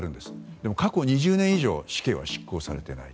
でも、過去２０年以上死刑は執行されていない。